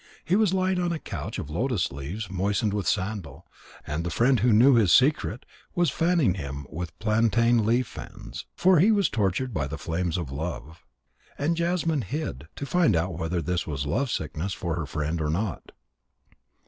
He was lying on a couch of lotus leaves moistened with sandal, and the friend who knew his secret was fanning him with plantain leaf fans, for he was tortured by the flames of love. And Jasmine hid, to find out whether this was lovesickness for her friend or not.